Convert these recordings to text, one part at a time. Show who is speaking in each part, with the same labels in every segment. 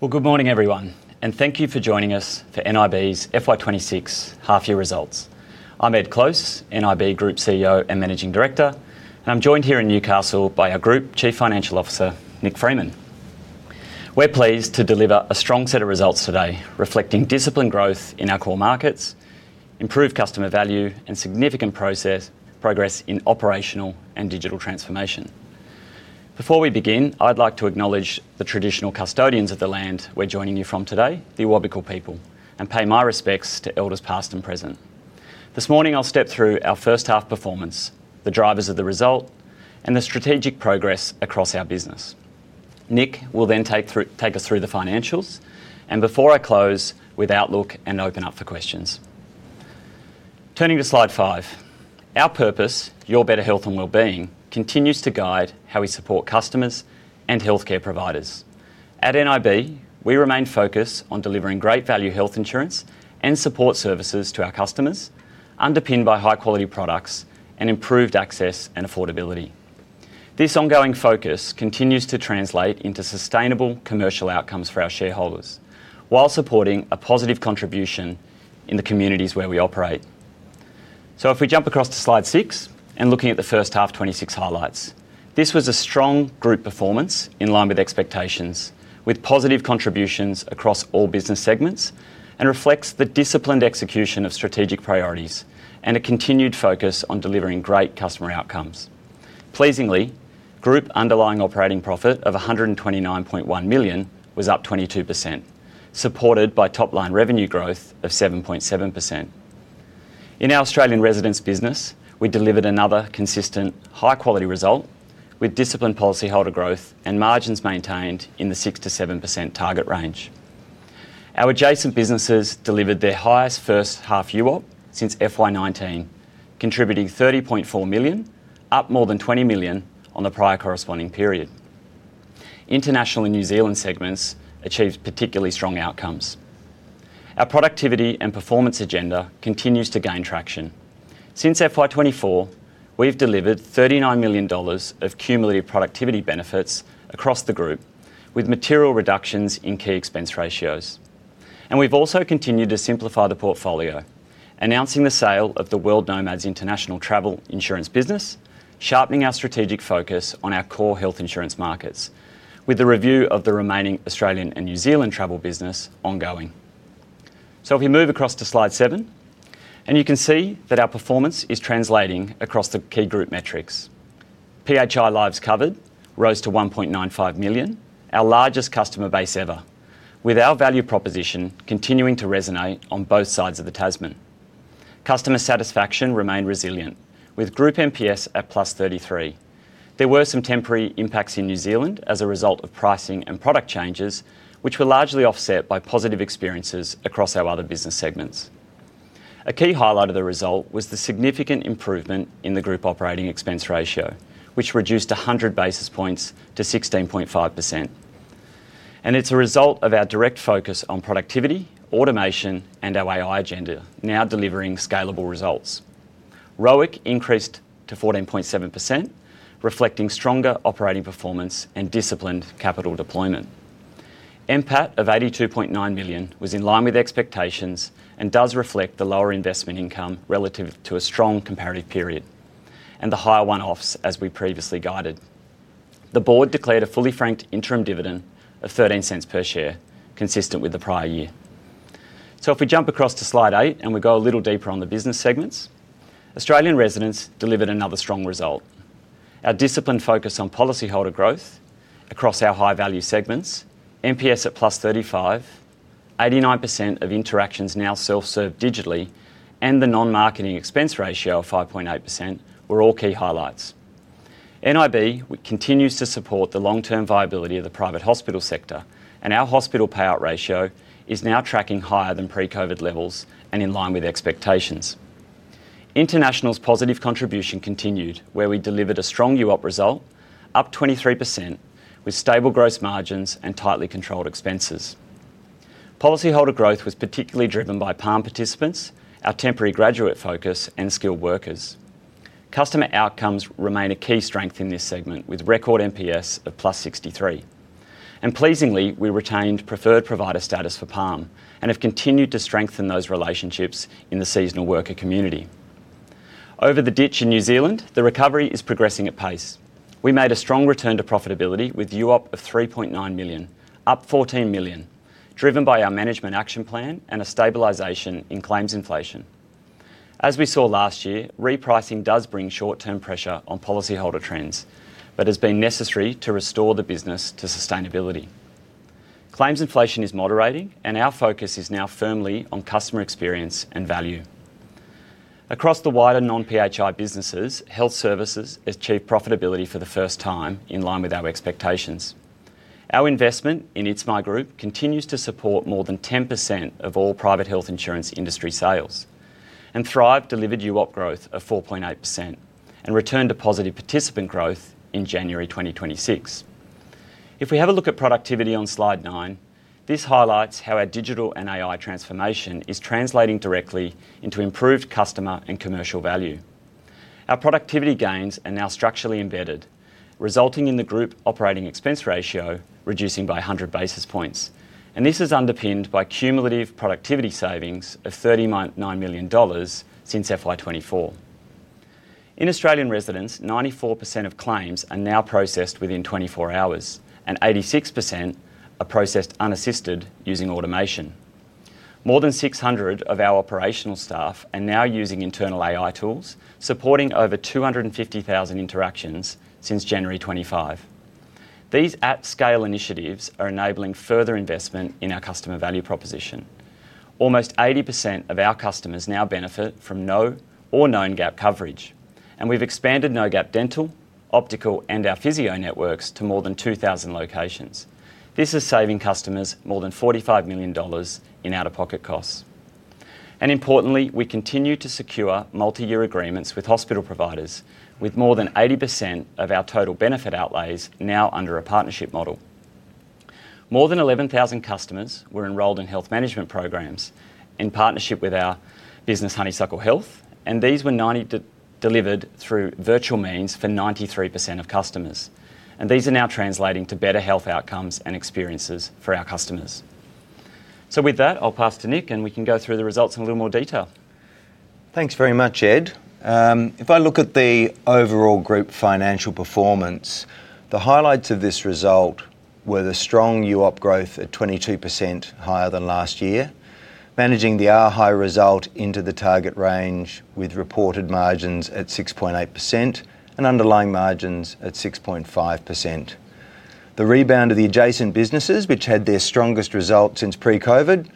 Speaker 1: Well, good morning, everyone, and thank you for joining us for nib's FY26 half-year results. I'm Ed Close, nib Group CEO and Managing Director, and I'm joined here in Newcastle by our Group Chief Financial Officer, Nick Freeman. We're pleased to deliver a strong set of results today, reflecting disciplined growth in our core markets, improved customer value, and significant progress in operational and digital transformation. Before we begin, I'd like to acknowledge the traditional custodians of the land we're joining you from today, the Awabakal people, and pay my respects to elders past and present. This morning, I'll step through our H1 performance, the drivers of the result, and the strategic progress across our business. Nick will then take us through the financials, and before I close with outlook and open up for questions. Turning to slide five, our purpose, your better health and wellbeing, continues to guide how we support customers and healthcare providers. At nib, we remain focused on delivering great value health insurance and support services to our customers, underpinned by high-quality products and improved access and affordability. This ongoing focus continues to translate into sustainable commercial outcomes for our shareholders, while supporting a positive contribution in the communities where we operate. If we jump across to slide six, looking at the H1 2026 highlights, this was a strong group performance in line with expectations, with positive contributions across all business segments, and reflects the disciplined execution of strategic priorities and a continued focus on delivering great customer outcomes. Pleasingly, group underlying operating profit of 129.1 million was up 22%, supported by top-line revenue growth of 7.7%. In our Australian residents business, we delivered another consistent, high-quality result, with disciplined policyholder growth and margins maintained in the 6%-7% target range. Our adjacent businesses delivered their highest H1 UAOP since FY 2019, contributing 30.4 million, up more than 20 million on the prior corresponding period. International and New Zealand segments achieved particularly strong outcomes. Our productivity and performance agenda continues to gain traction. Since FY 2024, we've delivered 39 million dollars of cumulative productivity benefits across the group, with material reductions in key expense ratios. We've also continued to simplify the portfolio, announcing the sale of the World Nomads International travel insurance business, sharpening our strategic focus on our core health insurance markets, with the review of the remaining Australian and New Zealand travel business ongoing. If we move across to slide 7, you can see that our performance is translating across the key group metrics. PHI lives covered rose to 1.95 million, our largest customer base ever, with our value proposition continuing to resonate on both sides of the Tasman. Customer satisfaction remained resilient, with group NPS at +33. There were some temporary impacts in New Zealand as a result of pricing and product changes, which were largely offset by positive experiences across our other business segments. A key highlight of the result was the significant improvement in the group operating expense ratio, which reduced 100 basis points to 16.5%. It's a result of our direct focus on productivity, automation, and our AI agenda, now delivering scalable results. ROIC increased to 14.7%, reflecting stronger operating performance and disciplined capital deployment. NPAT of 82.9 million was in line with expectations and does reflect the lower investment income relative to a strong comparative period and the higher one-offs, as we previously guided. The board declared a fully franked interim dividend of 0.13 per share, consistent with the prior year. If we jump across to slide 8, and we go a little deeper on the business segments, Australian residents delivered another strong result. Our disciplined focus on policyholder growth across our high-value segments, NPS at +35, 89% of interactions now self-serve digitally, and the non-marketing expense ratio of 5.8% were all key highlights. nib continues to support the long-term viability of the private hospital sector, and our hospital payout ratio is now tracking higher than pre-COVID levels and in line with expectations. International's positive contribution continued, where we delivered a strong UAOP result, up 23%, with stable gross margins and tightly controlled expenses. Policyholder growth was particularly driven by PALM participants, our temporary graduate focus, and skilled workers. Customer outcomes remain a key strength in this segment, with record NPS of +63. Pleasingly, we retained preferred provider status for PALM and have continued to strengthen those relationships in the seasonal worker community. Over the ditch in New Zealand, the recovery is progressing at pace. We made a strong return to profitability with UAOP of 3.9 million, up 14 million, driven by our management action plan and a stabilization in claims inflation. As we saw last year, repricing does bring short-term pressure on policyholder trends, but has been necessary to restore the business to sustainability. Claims inflation is moderating, and our focus is now firmly on customer experience and value. Across the wider non-PHI businesses, health services achieved profitability for the first time, in line with our expectations. Our investment in ItsMy Group continues to support more than 10% of all private health insurance industry sales, and Thrive delivered UAOP growth of 4.8% and returned to positive participant growth in January 2026. If we have a look at productivity on slide 9, this highlights how our digital and AI transformation is translating directly into improved customer and commercial value.... Our productivity gains are now structurally embedded, resulting in the group operating expense ratio reducing by 100 basis points. This is underpinned by cumulative productivity savings of 39 million dollars since FY24. In Australian residents, 94% of claims are now processed within 24 hours, and 86% are processed unassisted using automation. More than 600 of our operational staff are now using internal AI tools, supporting over 250,000 interactions since January 25. These at-scale initiatives are enabling further investment in our customer value proposition. Almost 80% of our customers now benefit from no or known gap coverage, and we've expanded No Gap Dental, Optical, and our physio networks to more than 2,000 locations. This is saving customers more than 45 million dollars in out-of-pocket costs. Importantly, we continue to secure multi-year agreements with hospital providers, with more than 80% of our total benefit outlays now under a partnership model. More than 11,000 customers were enrolled in health management programs in partnership with our business, Honeysuckle Health, and these were 90 delivered through virtual means for 93% of customers. These are now translating to better health outcomes and experiences for our customers. With that, I'll pass to Nick, and we can go through the results in a little more detail.
Speaker 2: Thanks very much, Ed. If I look at the overall group financial performance, the highlights of this result were the strong UAOP growth at 22% higher than last year; managing the RHI result into the target range, with reported margins at 6.8% and underlying margins at 6.5%. The rebound of the adjacent businesses, which had their strongest result since pre-COVID,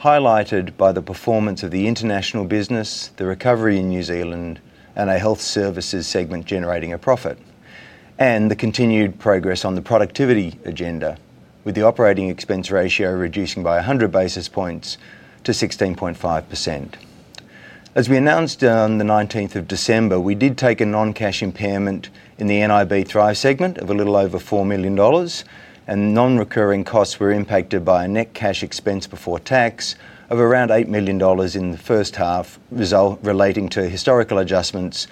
Speaker 2: highlighted by the performance of the international business, the recovery in New Zealand, and a health services segment generating a profit. The continued progress on the productivity agenda, with the operating expense ratio reducing by 100 basis points to 16.5%. As we announced on the 19th of December, we did take a non-cash impairment in the nib Thrive segment of a little over 4 million dollars, and non-recurring costs were impacted by a net cash expense before tax of around 8 million dollars in the H1 result relating to historical adjustments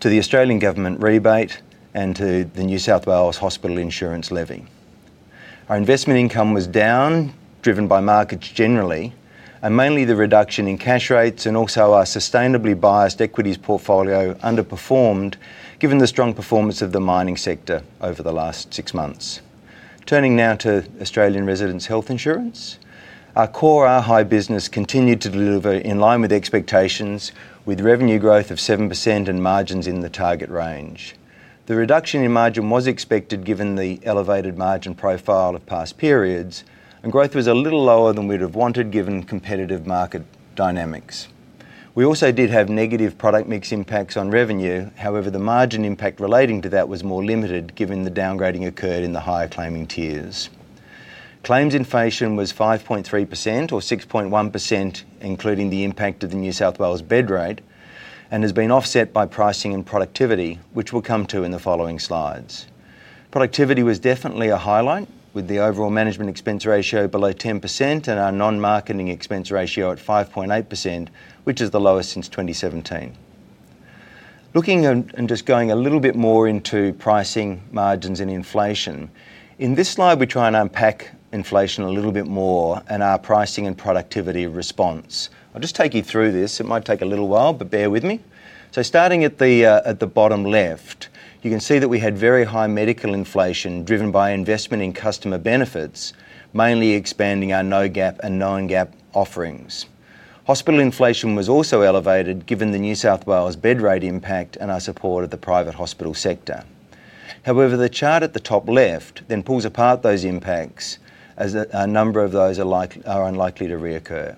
Speaker 2: to the Australian Government rebate and to the New South Wales Hospital Insurance Levy. Our investment income was down, driven by markets generally, and mainly the reduction in cash rates and also our sustainably biased equities portfolio underperformed, given the strong performance of the mining sector over the last six months. Turning now to Australian residents' health insurance. Our core high business continued to deliver in line with expectations, with revenue growth of 7% and margins in the target range. The reduction in margin was expected, given the elevated margin profile of past periods, and growth was a little lower than we'd have wanted, given competitive market dynamics. We also did have negative product mix impacts on revenue. However, the margin impact relating to that was more limited, given the downgrading occurred in the higher claiming tiers. Claims inflation was 5.3%, or 6.1%, including the impact of the New South Wales bed rate, and has been offset by pricing and productivity, which we'll come to in the following slides. Productivity was definitely a highlight, with the overall management expense ratio below 10% and our non-marketing expense ratio at 5.8%, which is the lowest since 2017. Looking and just going a little bit more into pricing, margins, and inflation, in this slide, we try and unpack inflation a little bit more and our pricing and productivity response. I'll just take you through this. It might take a little while, but bear with me. Starting at the bottom left, you can see that we had very high medical inflation driven by investment in customer benefits, mainly expanding our No Gap and Known Gap offerings. Hospital inflation was also elevated, given the New South Wales bed rate impact and our support of the private hospital sector. The chart at the top left then pulls apart those impacts, as a number of those are like are unlikely to reoccur.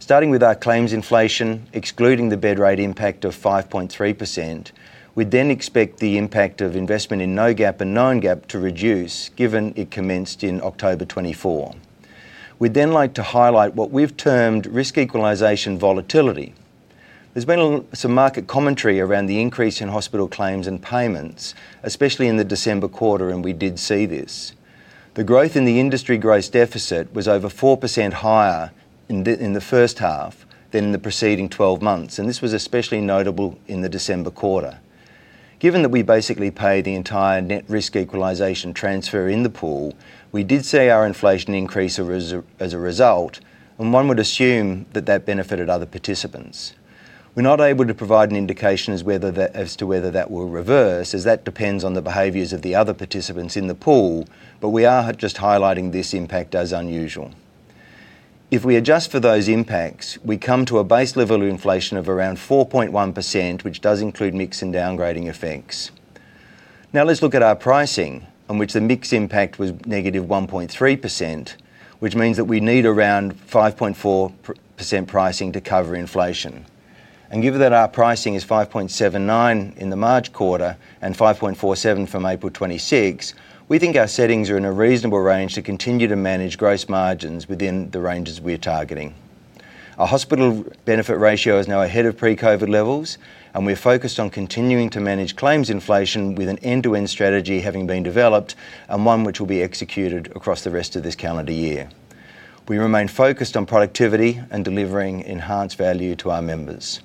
Speaker 2: Starting with our claims inflation, excluding the bed rate impact of 5.3%, we then expect the impact of investment in No Gap and Known Gap to reduce, given it commenced in October 2024. We'd then like to highlight what we've termed risk equalization volatility. There's been some market commentary around the increase in hospital claims and payments, especially in the December quarter, and we did see this. The growth in the industry gross deficit was over 4% higher in the H1 than in the preceding 12 months. This was especially notable in the December quarter. Given that we basically paid the entire net risk equalization transfer in the pool, we did see our inflation increase as a result. One would assume that that benefited other participants. We're not able to provide an indication as to whether that will reverse, as that depends on the behaviors of the other participants in the pool, but we are just highlighting this impact as unusual. If we adjust for those impacts, we come to a base level of inflation of around 4.1%, which does include mix and downgrading effects. Let's look at our pricing, on which the mix impact was negative 1.3%, which means that we need around 5.4% pricing to cover inflation. Given that our pricing is 5.79 in the March quarter and 5.47 from April 26, we think our settings are in a reasonable range to continue to manage gross margins within the ranges we're targeting. Our hospital benefit ratio is now ahead of pre-COVID levels, and we're focused on continuing to manage claims inflation with an end-to-end strategy having been developed and one which will be executed across the rest of this calendar year. We remain focused on productivity and delivering enhanced value to our members.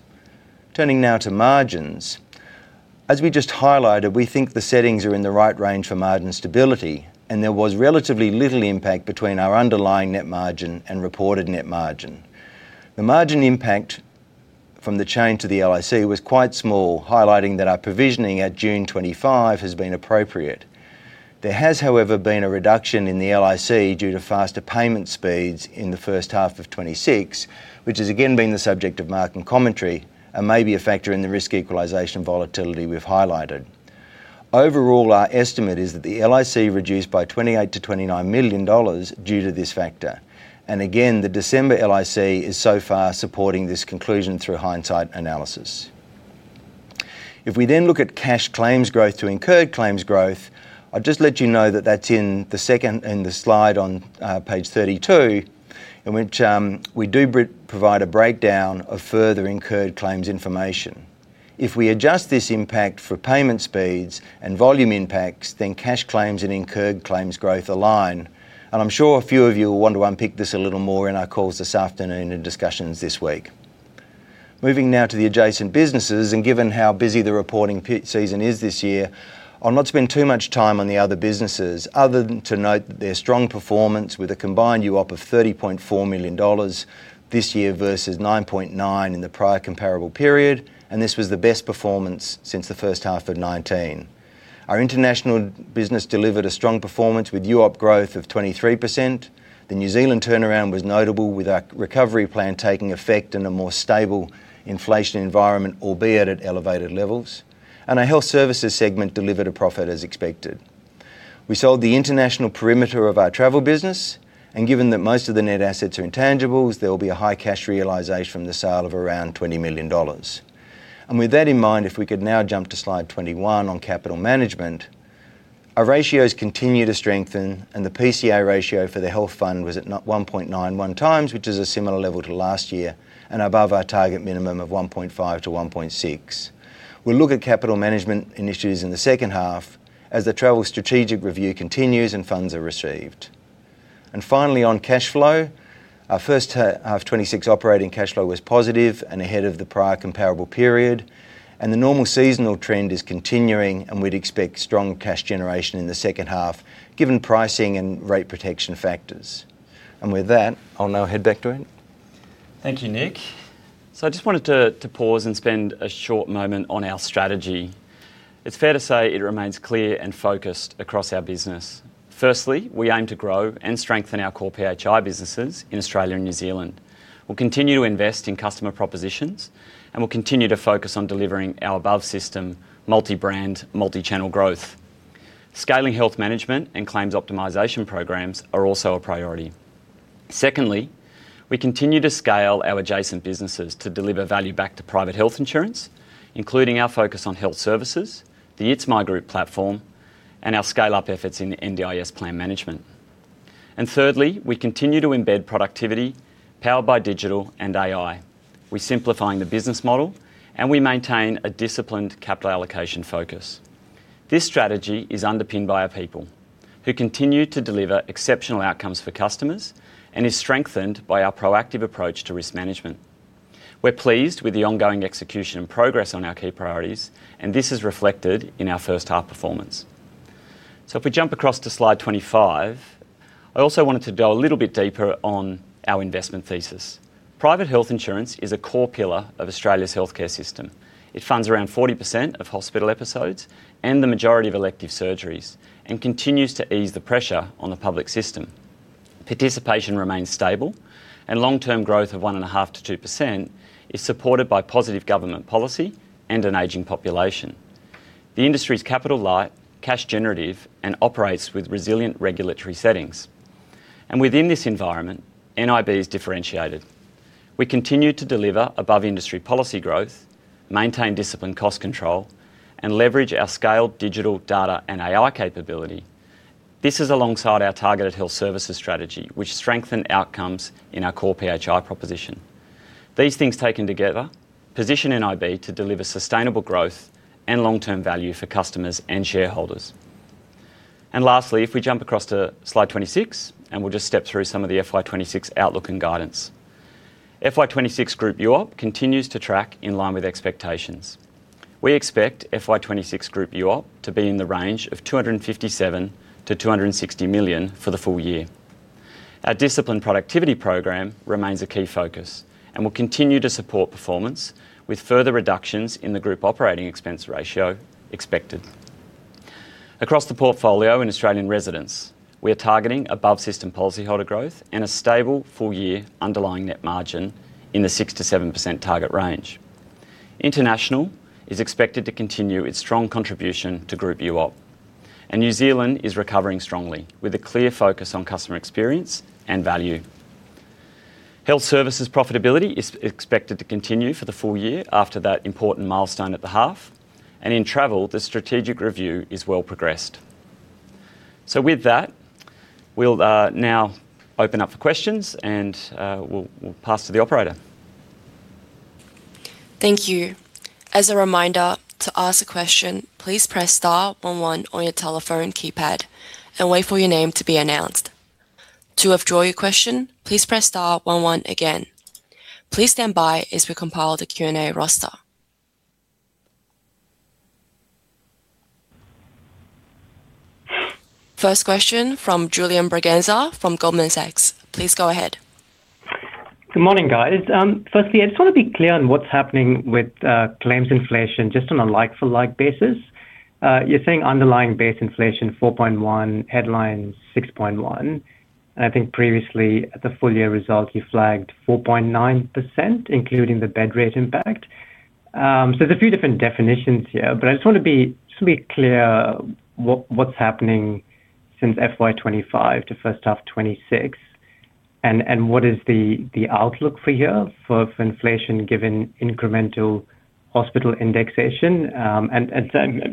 Speaker 2: Turning now to margins. As we just highlighted, we think the settings are in the right range for margin stability, and there was relatively little impact between our underlying net margin and reported net margin. The margin impact from the change to the LIC was quite small, highlighting that our provisioning at June 2025 has been appropriate. There has, however, been a reduction in the LIC due to faster payment speeds in the H1 of 2026, which has again been the subject of market commentary and may be a factor in the risk equalization volatility we've highlighted. Overall, our estimate is that the LIC reduced by 28 million-29 million dollars due to this factor. Again, the December LIC is so far supporting this conclusion through hindsight analysis. If we look at cash claims growth to incurred claims growth, I'll just let you know that that's in the second, in the slide on page 32, in which we do provide a breakdown of further incurred claims information. If we adjust this impact for payment speeds and volume impacts, then cash claims and incurred claims growth align. I'm sure a few of you will want to unpick this a little more in our calls this afternoon and discussions this week. Moving now to the adjacent businesses, given how busy the reporting season is this year, I'll not spend too much time on the other businesses, other than to note their strong performance with a combined UOP of 30.4 million dollars this year versus 9.9 in the prior comparable period. This was the best performance since the H1 of 2019. Our international business delivered a strong performance with UOP growth of 23%. The New Zealand turnaround was notable, with our recovery plan taking effect in a more stable inflation environment, albeit at elevated levels. Our health services segment delivered a profit as expected. We sold the international perimeter of our travel business, given that most of the net assets are intangibles, there will be a high cash realization from the sale of around 20 million dollars. With that in mind, if we could now jump to slide 21 on capital management. Our ratios continue to strengthen, and the PCA ratio for the health fund was at not 1.91x, which is a similar level to last year and above our target minimum of 1.5-1.6. We'll look at capital management initiatives in the H2 as the travel strategic review continues and funds are received. Finally, on cash flow, our H1 of 2026 operating cash flow was positive and ahead of the prior comparable period, and the normal seasonal trend is continuing, and we'd expect strong cash generation in the H2, given pricing and rate protection factors. With that, I'll now hand back to Ed.
Speaker 1: Thank you, Nick. I just wanted to pause and spend a short moment on our strategy. It's fair to say it remains clear and focused across our business. Firstly, we aim to grow and strengthen our core PHI businesses in Australia and New Zealand. We'll continue to invest in customer propositions, we'll continue to focus on delivering our above-system, multi-brand, multi-channel growth. Scaling health management and claims optimization programs are also a priority. Secondly, we continue to scale our adjacent businesses to deliver value back to private health insurance, including our focus on health services, the ITSMY group platform, and our scale-up efforts in NDIS plan management. Thirdly, we continue to embed productivity powered by digital and AI. We're simplifying the business model, we maintain a disciplined capital allocation focus. This strategy is underpinned by our people, who continue to deliver exceptional outcomes for customers and is strengthened by our proactive approach to risk management. We're pleased with the ongoing execution and progress on our key priorities, and this is reflected in our H1 performance. If we jump across to slide 25, I also wanted to go a little bit deeper on our investment thesis. Private health insurance is a core pillar of Australia's healthcare system. It funds around 40% of hospital episodes and the majority of elective surgeries and continues to ease the pressure on the public system. Participation remains stable, and long-term growth of 1.5%-2% is supported by positive government policy and an aging population. The industry is capital light, cash generative, and operates with resilient regulatory settings. Within this environment, nib is differentiated. We continue to deliver above-industry policy growth, maintain disciplined cost control, and leverage our scaled digital data and AI capability. This is alongside our targeted health services strategy, which strengthen outcomes in our core PHI proposition. These things, taken together, position nib to deliver sustainable growth and long-term value for customers and shareholders. Lastly, if we jump across to slide 26, and we'll just step through some of the FY26 outlook and guidance. FY26 Group UOP continues to track in line with expectations. We expect FY26 Group UOP to be in the range of 257 million-260 million for the full year. Our disciplined productivity program remains a key focus and will continue to support performance, with further reductions in the Group operating expense ratio expected. Across the portfolio in Australian residents, we are targeting above-system policyholder growth and a stable full-year underlying net margin in the 6%-7% target range. International is expected to continue its strong contribution to group UOP, and New Zealand is recovering strongly, with a clear focus on customer experience and value. Health services profitability is expected to continue for the full year after that important milestone at the half, and in travel, the strategic review is well progressed. With that, we'll now open up for questions, and we'll, we'll pass to the operator....
Speaker 3: Thank you. As a reminder, to ask a question, please press star one one on your telephone keypad and wait for your name to be announced. To withdraw your question, please press star one one again. Please stand by as we compile the Q&A roster. First question from Julian Braganza from Goldman Sachs. Please go ahead.
Speaker 4: Good morning, guys. Firstly, I just want to be clear on what's happening with claims inflation just on a like for like basis. You're saying underlying base inflation, 4.1, headline 6.1. I think previously at the full year result, you flagged 4.9%, including the bed rate impact. There's a few different definitions here, but I just want to be, just be clear what, what's happening since FY25 to H1 26. What is the, the outlook for here for, for inflation, given incremental hospital indexation?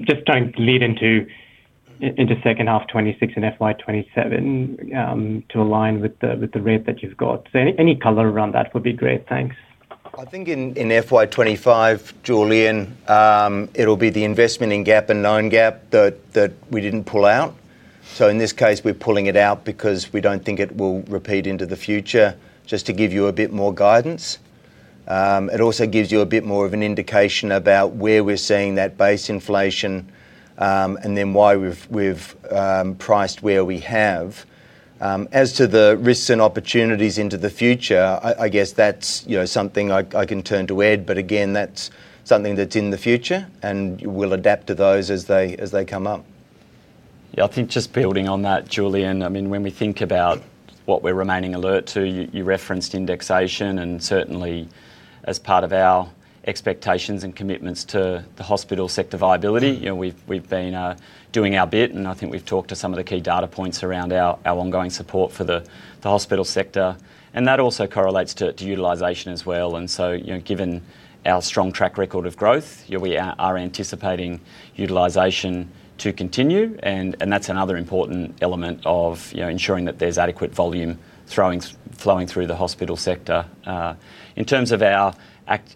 Speaker 4: Just trying to lead into, into H2 26 and FY27 to align with the, with the rate that you've got. Any, any color around that would be great. Thanks.
Speaker 2: I think in FY25, Julian, it'll be the investment in gap and non-gap that we didn't pull out. In this case, we're pulling it out because we don't think it will repeat into the future, just to give you a bit more guidance. It also gives you a bit more of an indication about where we're seeing that base inflation, and then why we've priced where we have. As to the risks and opportunities into the future, I guess that's, you know, something I can turn to Ed, but again, that's something that's in the future, and we'll adapt to those as they, as they come up.
Speaker 1: Yeah, I think just building on that, Julian, I mean, when we think about what we're remaining alert to, you, you referenced indexation and certainly as part of our expectations and commitments to the hospital sector viability, you know, we've, we've been doing our bit, and I think we've talked to some of the key data points around our ongoing support for the hospital sector. That also correlates to utilization as well. You know, given our strong track record of growth, yeah, we are anticipating utilization to continue, and that's another important element of, you know, ensuring that there's adequate volume flowing through the hospital sector. In terms of our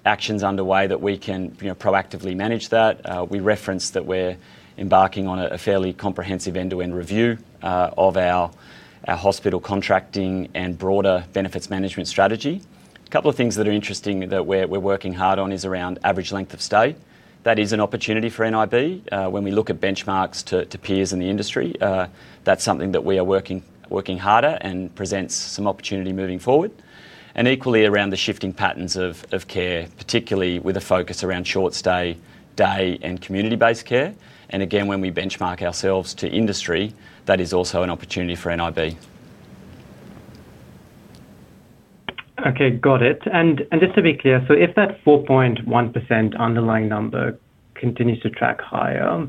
Speaker 1: actions underway that we can, you know, proactively manage that, we referenced that we're embarking on a fairly comprehensive end-to-end review of our hospital contracting and broader benefits management strategy. A couple of things that are interesting that we're working hard on is around average length of stay. That is an opportunity for nib. When we look at benchmarks to peers in the industry, that's something that we are working, working harder and presents some opportunity moving forward. Equally around the shifting patterns of care, particularly with a focus around short stay, day, and community-based care. Again, when we benchmark ourselves to industry, that is also an opportunity for nib.
Speaker 4: Okay, got it. Just to be clear, so if that 4.1% underlying number continues to track higher,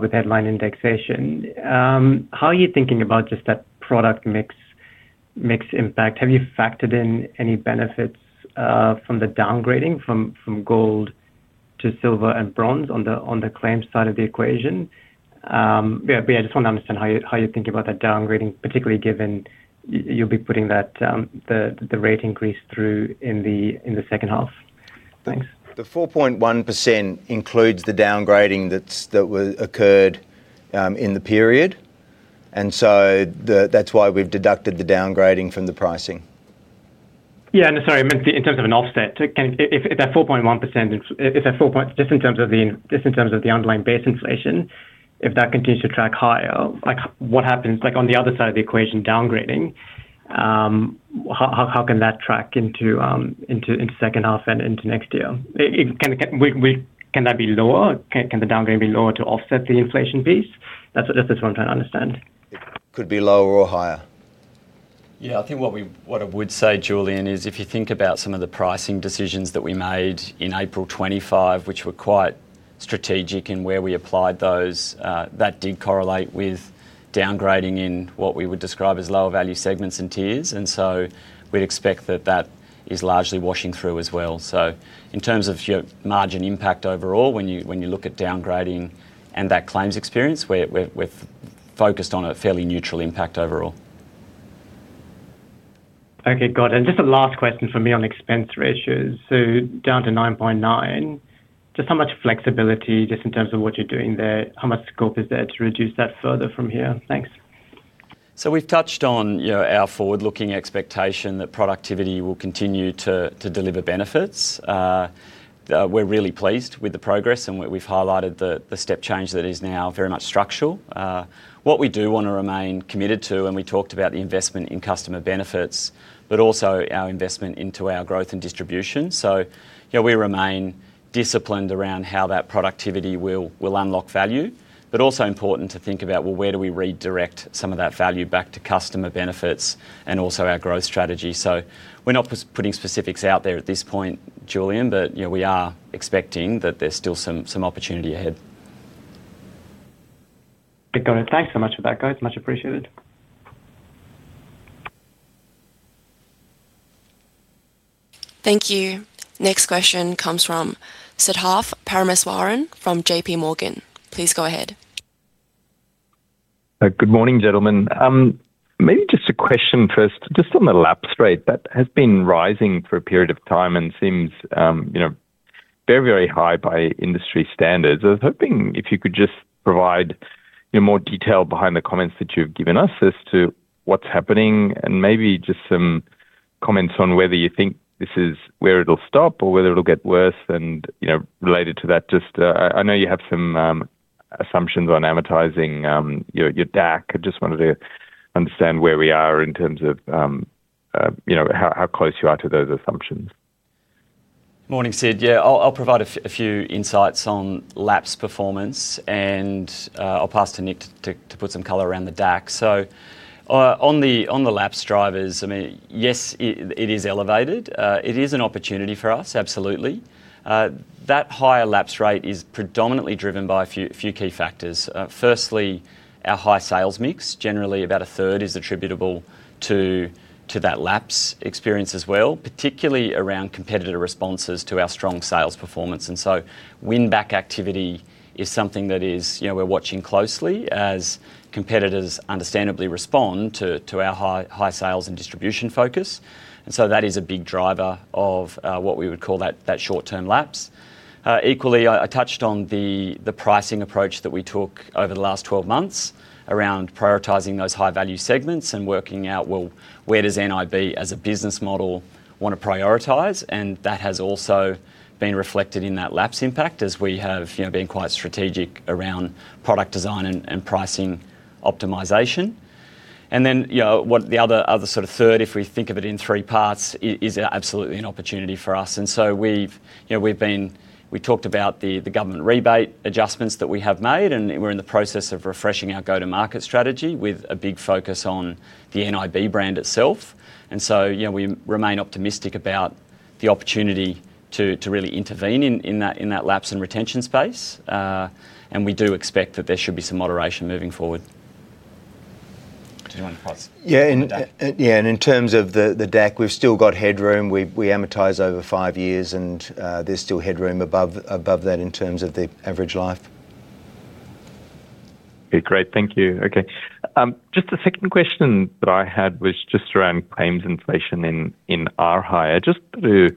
Speaker 4: with headline indexation, how are you thinking about just that product mix, mix impact? Have you factored in any benefits from the downgrading from gold to silver and bronze on the claims side of the equation? Yeah, I just want to understand how you, how you think about that downgrading, particularly given you'll be putting that, the rate increase through in the H2. Thanks.
Speaker 2: The 4.1% includes the downgrading that's occurred in the period, and that's why we've deducted the downgrading from the pricing.
Speaker 4: Yeah, sorry, I meant in terms of an offset. Can if that 4.1%, just in terms of the underlying base inflation, if that continues to track higher, like, what happens, like, on the other side of the equation, downgrading, how can that track into H2 and into next year? Can that be lower? Can the downgrade be lower to offset the inflation piece? That's just what I'm trying to understand.
Speaker 2: It could be lower or higher.
Speaker 1: Yeah, I think what we-- what I would say, Julian, is if you think about some of the pricing decisions that we made in April 2025, which were quite strategic in where we applied those, that did correlate with downgrading in what we would describe as lower value segments and tiers. So we'd expect that that is largely washing through as well. In terms of your margin impact overall, when you, when you look at downgrading and that claims experience, we're, we're, we've focused on a fairly neutral impact overall.
Speaker 4: Okay, got it. Just a last question for me on expense ratios. Down to 9.9%, just how much flexibility, just in terms of what you're doing there, how much scope is there to reduce that further from here? Thanks.
Speaker 1: We've touched on, you know, our forward-looking expectation that productivity will continue to deliver benefits. We're really pleased with the progress, and we've highlighted the step change that is now very much structural. What we do want to remain committed to, and we talked about the investment in customer benefits, but also our investment into our growth and distribution. You know, we remain disciplined around how that productivity will unlock value, but also important to think about, well, where do we redirect some of that value back to customer benefits and also our growth strategy? We're not putting specifics out there at this point, Julian, but, you know, we are expecting that there's still some opportunity ahead.
Speaker 4: Got it. Thanks so much for that, guys. Much appreciated.
Speaker 3: Thank you. Next question comes from Siddharth Parameswaran from JPMorgan. Please go ahead....
Speaker 5: Good morning, gentlemen. Maybe just a question first, just on the lapse rate. That has been rising for a period of time and seems, you know, very, very high by industry standards. I was hoping if you could just provide, you know, more detail behind the comments that you've given us as to what's happening, and maybe just some comments on whether you think this is where it'll stop or whether it'll get worse. You know, related to that, just, I, I know you have some assumptions on amortizing your, your DAC. I just wanted to understand where we are in terms of, you know, how, how close you are to those assumptions.
Speaker 1: Morning, Sid. Yeah, I'll provide a few insights on lapse performance, and I'll pass to Nick to put some color around the DAC. On the lapse drivers, I mean, yes, it is elevated. It is an opportunity for us, absolutely. That higher lapse rate is predominantly driven by a few key factors. Firstly, our high sales mix. Generally, about a third is attributable to that lapse experience as well, particularly around competitor responses to our strong sales performance. Win-back activity is something that is, you know, we're watching closely as competitors understandably respond to our high sales and distribution focus. That is a big driver of what we would call that short-term lapse. Equally, I, I touched on the, the pricing approach that we took over the last 12 months around prioritizing those high-value segments and working out, well, where does nib as a business model want to prioritize? That has also been reflected in that lapse impact, as we have, you know, been quite strategic around product design and, and pricing optimization. You know, what the other, other sort of third, if we think of it in three parts, absolutely an opportunity for us. We've, you know, we talked about the, the government rebate adjustments that we have made, and we're in the process of refreshing our go-to-market strategy with a big focus on the nib brand itself. You know, we remain optimistic about the opportunity to, to really intervene in, in that, in that lapse and retention space, and we do expect that there should be some moderation moving forward.
Speaker 6: Do you want to pause?
Speaker 2: Yeah, and, yeah, and in terms of the, the DAC, we've still got headroom. We amortize over five years, and, there's still headroom above that in terms of the average life.
Speaker 5: Okay, great. Thank you. Okay, just a second question that I had was just around claims inflation in, in RHI. I just wanted to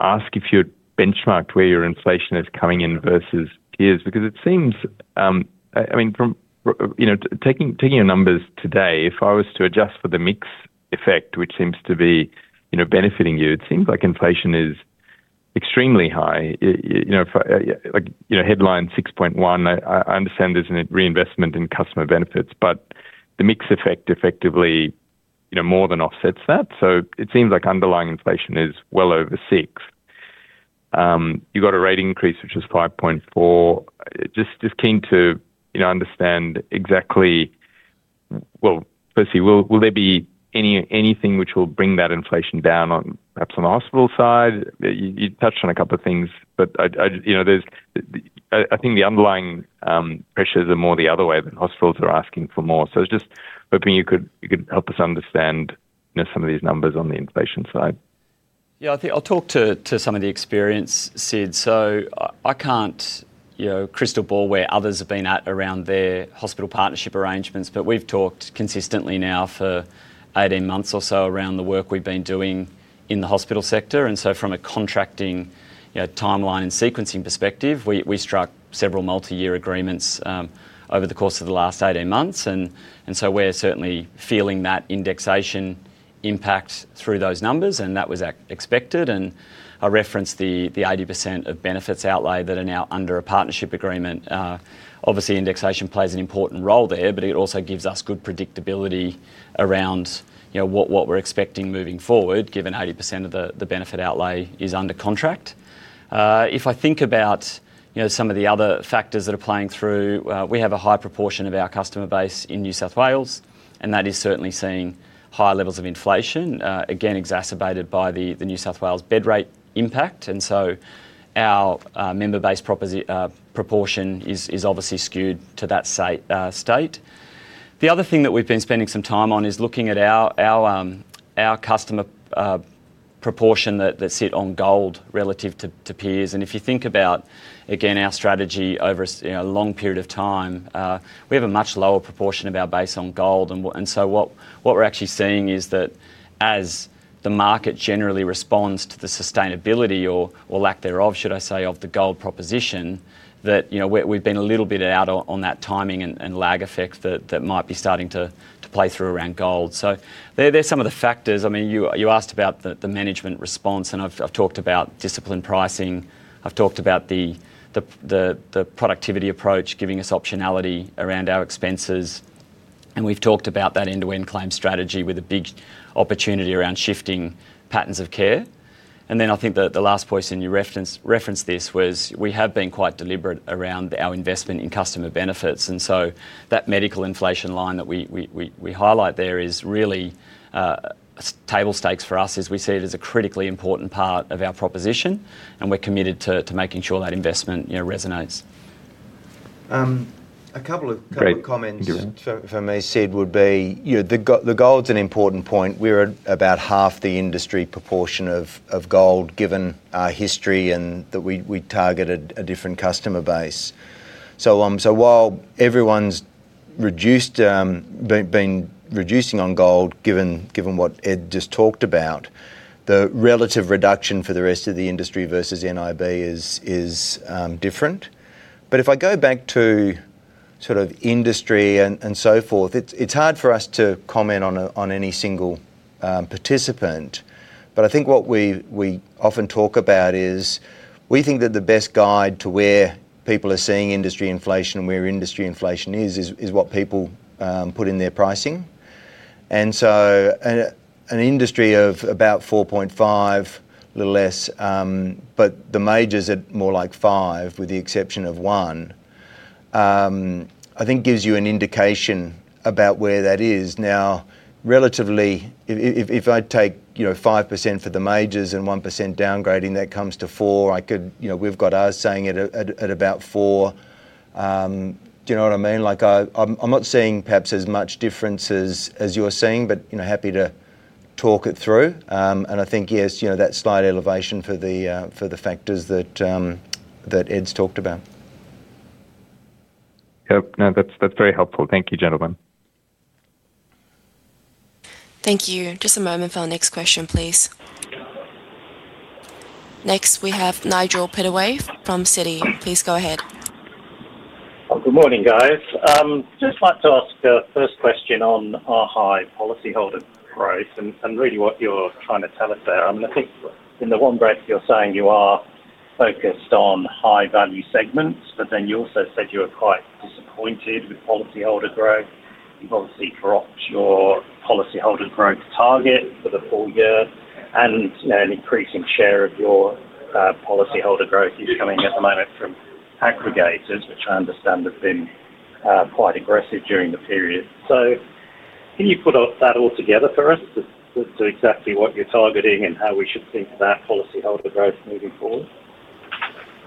Speaker 5: ask if you'd benchmarked where your inflation is coming in versus peers, because it seems. I mean, from, you know, taking your numbers today, if I was to adjust for the mix effect, which seems to be, you know, benefiting you, it seems like inflation is extremely high. You know, for, yeah, like, you know, headline 6.1, I understand there's an reinvestment in customer benefits, but the mix effect effectively, you know, more than offsets that. It seems like underlying inflation is well over 6. You've got a rate increase, which is 5.4. Just, just keen to, you know, understand exactly... Well, firstly, will there be anything which will bring that inflation down on, perhaps on the hospital side? You, you touched on a couple of things, but I, I, you know, there's, I think the underlying pressures are more the other way, than hospitals are asking for more. I was just hoping you could, you could help us understand, you know, some of these numbers on the inflation side.
Speaker 1: Yeah, I think I'll talk to some of the experience, Sid. I can't, you know, crystal ball where others have been at around their hospital partnership arrangements, but we've talked consistently now for 18 months or so around the work we've been doing in the hospital sector. From a contracting timeline and sequencing perspective, we struck several multi-year agreements over the course of the last 18 months. We're certainly feeling that indexation impact through those numbers, and that was expected. I referenced the 80% of benefits outlay that are now under a partnership agreement. Obviously, indexation plays an important role there, but it also gives us good predictability around, you know, what we're expecting moving forward, given 80% of the benefit outlay is under contract. If I think about, you know, some of the other factors that are playing through, we have a high proportion of our customer base in New South Wales, and that is certainly seeing higher levels of inflation, again, exacerbated by the, the New South Wales bed rate impact. So our member base proportion is, is obviously skewed to that state. The other thing that we've been spending some time on is looking at our, our, our customer proportion that, that sit on Gold relative to, to peers. If you think about, again, our strategy over a, you know, a long period of time, we have a much lower proportion of our base on Gold. What, what we're actually seeing is that as the market generally responds to the sustainability or, or lack thereof, should I say, of the Gold proposition, that, you know, we've been a little bit out on, on that timing and, and lag effect that, that might be starting to, to play through around Gold. There, there are some of the factors. I mean, you, you asked about the, the management response, and I've, I've talked about disciplined pricing, I've talked about the, the, the, the productivity approach, giving us optionality around our expenses, and we've talked about that end-to-end claim strategy with a big opportunity around shifting patterns of care. Then I think the, the last point, and you referenced, referenced this, was we have been quite deliberate around our investment in customer benefits. That medical inflation line that we, we, we, we highlight there is really table stakes for us as we see it as a critically important part of our proposition, and we're committed to, to making sure that investment, you know, resonates.
Speaker 2: Um, a couple of-
Speaker 1: Great...
Speaker 2: comments from, from me, Sid, would be, you know, the Gold's an important point. We're at about half the industry proportion of Gold, given our history and that we targeted a different customer base. While everyone's reduced, been reducing on gold, given what Ed just talked about. The relative reduction for the rest of the industry versus nib is different. If I go back to sort of industry and so forth, it's hard for us to comment on any single participant, but I think what we often talk about is we think that the best guide to where people are seeing industry inflation and where industry inflation is what people put in their pricing. An industry of about 4.5, a little less, but the majors are more like 5, with the exception of 1, I think gives you an indication about where that is. Relatively, if I take, you know, 5% for the majors and 1% downgrading, that comes to 4. I could-- You know, we've got us saying it at about 4. Do you know what I mean? Like, I, I'm, I'm not seeing perhaps as much difference as, as you're seeing, but, you know, happy to talk it through. I think, yes, you know, that slight elevation for the factors that Ed's talked about.
Speaker 5: Yep. No, that's, that's very helpful. Thank you, gentlemen.
Speaker 3: Thank you. Just a moment for our next question, please. Next, we have Nigel Pittaway from Citi. Please go ahead.
Speaker 7: Good morning, guys. just like to ask a first question on our high policyholder growth and, and really what you're trying to tell us there. I mean, I think in the one breath you're saying you are focused on high-value segments, but then you also said you were quite disappointed with policyholder growth. You've obviously dropped your policyholder growth target for the full year, and an increasing share of your policyholder growth is coming at the moment from aggregators, which I understand have been quite aggressive during the period. Can you put all, that all together for us as to exactly what you're targeting and how we should think of that policyholder growth moving forward?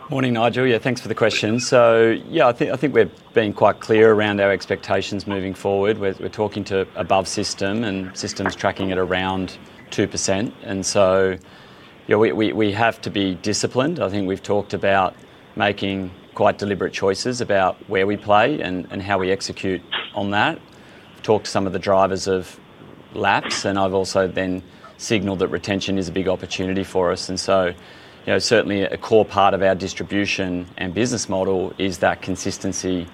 Speaker 1: Morning, Nigel. Thanks for the question. I think we've been quite clear around our expectations moving forward. We're talking to above system, system's tracking at around 2%, we have to be disciplined. I think we've talked about making quite deliberate choices about where we play and how we execute on that. Talked to some of the drivers of lapse, I've also then signaled that retention is a big opportunity for us. You know, certainly a core part of our distribution and business model is that consistency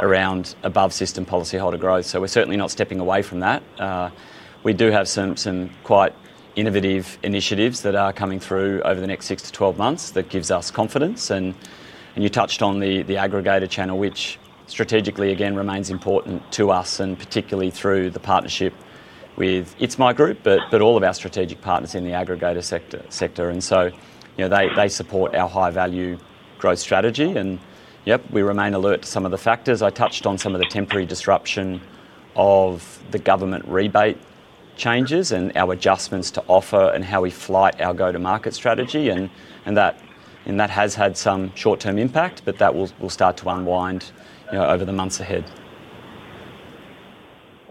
Speaker 1: around above system policyholder growth. We're certainly not stepping away from that. We do have some quite innovative initiatives that are coming through over the next 6 to 12 months that gives us confidence. You touched on the, the aggregator channel, which strategically, again, remains important to us, and particularly through the partnership with It's My Group, but, but all of our strategic partners in the aggregator sector, sector. You know, they, they support our high-value growth strategy. Yep, we remain alert to some of the factors. I touched on some of the temporary disruption of the government rebate changes and our adjustments to offer and how we flight our go-to-market strategy, and, and that, and that has had some short-term impact, but that will, will start to unwind over the months ahead.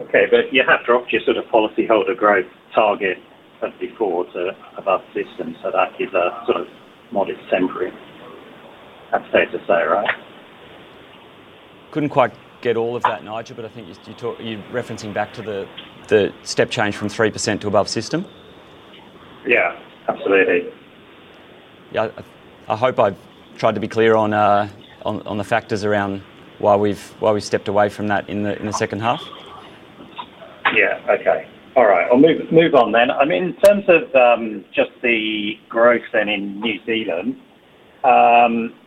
Speaker 7: Okay, you have dropped your sort of policyholder growth target of before to above system, so that is a sort of modest temporary, I'd say to say, right?
Speaker 1: Couldn't quite get all of that, Nigel, but I think you're you're referencing back to the, the step change from 3% to above system?
Speaker 7: Yeah, absolutely.
Speaker 1: Yeah, I, I hope I've tried to be clear on, on, on the factors around why we've, why we've stepped away from that in the, in the H2.
Speaker 7: Yeah. Okay. All right. I'll move on then. I mean, in terms of just the growth then in New Zealand,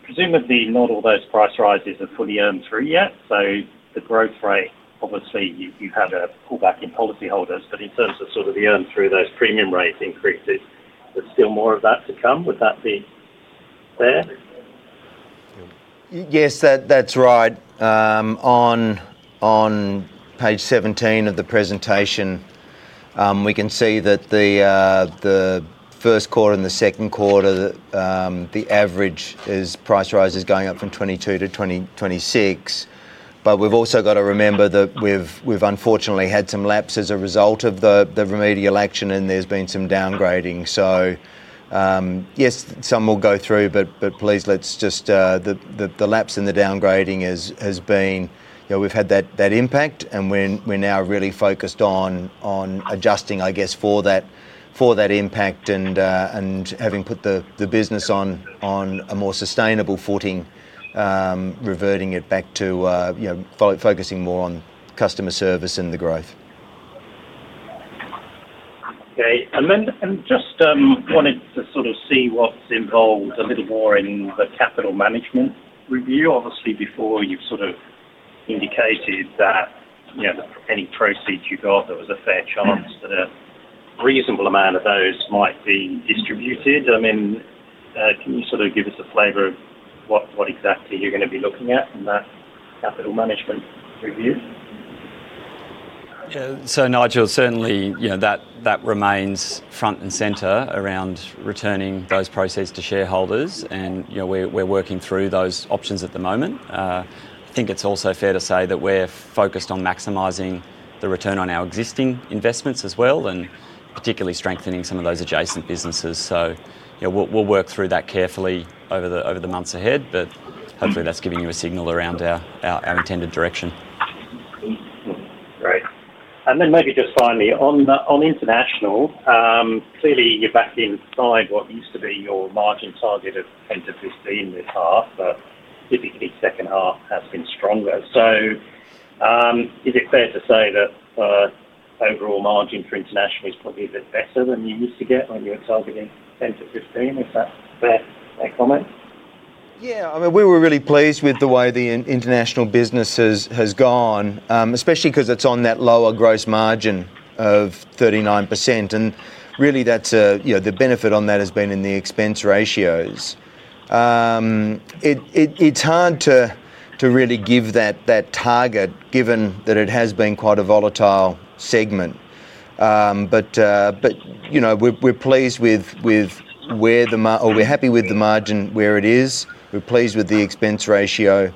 Speaker 7: presumably not all those price rises are fully earned through yet, so the growth rate, obviously, you've had a pullback in policyholders, but in terms of sort of the earn through those premium rate increases, there's still more of that to come. Would that be fair?
Speaker 2: Yes, that, that's right. On, on page 17 of the presentation, we can see that the first quarter and the second quarter, that the average is price rise is going up from 22 to 26. We've also got to remember that we've, we've unfortunately had some lapse as a result of the, the remedial action, and there's been some downgrading. Yes, some will go through, but, but please, let's just, the, the, the lapse and the downgrading is, has been... You know, we've had that, that impact, and we're, we're now really focused on, on adjusting, I guess, for that, for that impact, and having put the, the business on, on a more sustainable footing, reverting it back to, you know, focusing more on customer service and the growth.
Speaker 7: Okay. Wanted to sort of see what's involved a little more in the capital management review. Obviously, before, you've sort of indicated that, you know, any proceeds you got, there was a fair chance that a reasonable amount of those might be distributed. I mean, can you sort of give us a flavor of what, what exactly you're gonna be looking at in that capital management review?
Speaker 1: Yeah. Nigel, certainly, you know, that, that remains front and center around returning those proceeds to shareholders, and, you know, we're, we're working through those options at the moment. I think it's also fair to say that we're focused on maximizing the return on our existing investments as well, and particularly strengthening some of those adjacent businesses. Yeah, we'll, we'll work through that carefully over the, over the months ahead, but hopefully that's giving you a signal around our, our, our intended direction.
Speaker 7: Great. Maybe just finally, on international, clearly you're back inside what used to be your margin target of 10%-15% this half, but typically H2 has been stronger. Is it fair to say that overall margin for international is probably a bit better than you used to get when you were targeting 10%-15%? Is that fair, that comment?
Speaker 2: Yeah. I mean, we were really pleased with the way the international business has, has gone, especially 'cause it's on that lower gross margin of 39%. Really, that's a, you know, the benefit on that has been in the expense ratios. It, it, it's hard to, to really give that, that target, given that it has been quite a volatile segment. But, you know, we're, we're pleased with, with where the margin or we're happy with the margin, where it is. We're pleased with the expense ratio.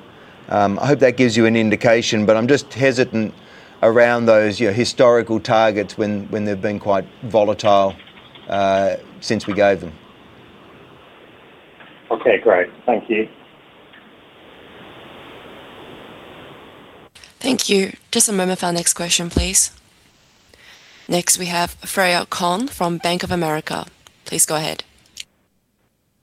Speaker 2: I hope that gives you an indication, but I'm just hesitant around those, you know, historical targets when, when they've been quite volatile, since we gave them.
Speaker 7: Okay, great. Thank you.
Speaker 3: Thank you. Just a moment for our next question, please. Next, we have Freya Conn from Bank of America. Please go ahead.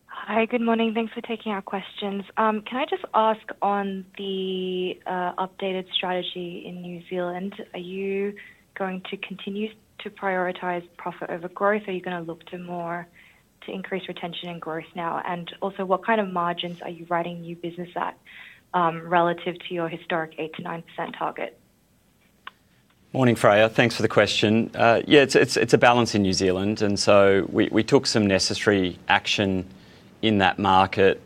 Speaker 8: Hi, good morning. Thanks for taking our questions. Can I just ask on the updated strategy in New Zealand, are you going to continue to prioritize profit over growth, or are you gonna look to more to increase retention and growth now? Also, what kind of margins are you writing new business at, relative to your historic 8%-9% target?
Speaker 1: Morning, Freya. Thanks for the question. Yeah, it's, it's, it's a balance in New Zealand, and so we, we took some necessary action in that market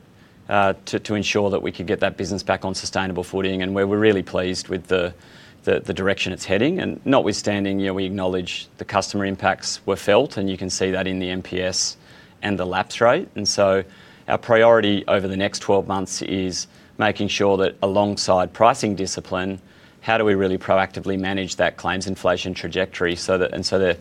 Speaker 1: to, to ensure that we could get that business back on sustainable footing, and we're, we're really pleased with the, the, the direction it's heading. Notwithstanding, you know, we acknowledge the customer impacts were felt, and you can see that in the NPS and the lapse rate. Our priority over the next 12 months is making sure that alongside pricing discipline, how do we really proactively manage that claims inflation trajectory And so that,